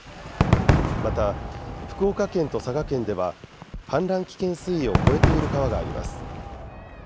また、福岡県と佐賀県では氾濫危険水位を超えている川があります。